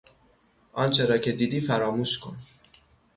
آنچه را که دیدی فراموش کن.